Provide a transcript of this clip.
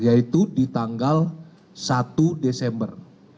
yaitu di tanggal satu desember